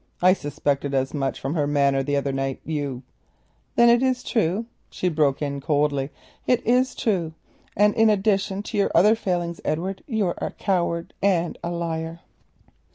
I suspected as much from her manner the other night. You——" "Then it is true," she broke in coldly. "It is true, and in addition to your other failings, Edward, you are a coward and—a liar."